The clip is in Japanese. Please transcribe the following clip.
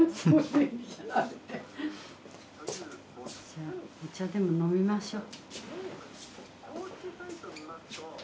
じゃお茶でも飲みましょう。